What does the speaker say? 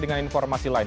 dengan informasi lain